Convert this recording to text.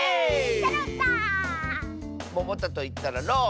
「ももた」といったら「ろう」！